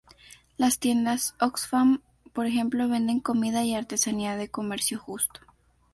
Las tiendas Oxfam, por ejemplo, venden comida y artesanía de comercio justo.